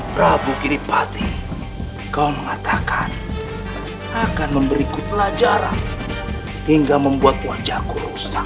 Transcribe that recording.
prabu kiripati kau mengatakan akan memberiku pelajaran hingga membuat wajahku rusak